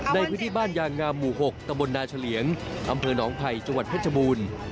ในพืชบ้านยางงามหมู่๖ตะบลนาชาเหลียงอำเภอหนองไพ่จังหวัดพัชบูรณ์